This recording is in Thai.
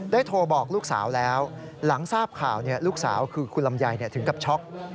โทรบอกลูกสาวแล้วหลังทราบข่าวลูกสาวคือคุณลำไยถึงกับช็อก